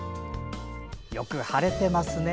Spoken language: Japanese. よく晴れてますね。